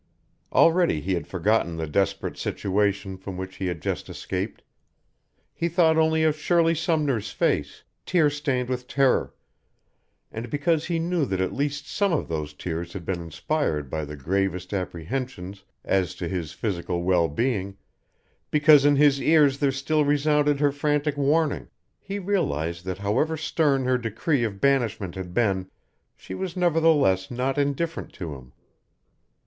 Already he had forgotten the desperate situation from which he had just escaped; he thought only of Shirley Sumner's face, tear stained with terror; and because he knew that at least some of those tears had been inspired by the gravest apprehensions as to his physical well being, because in his ears there still resounded her frantic warning, he realized that however stern her decree of banishment had been, she was nevertheless not indifferent to him.